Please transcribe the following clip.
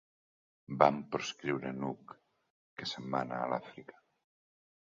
Van proscriure n'Hug, que se'n va anar a l'Àfrica.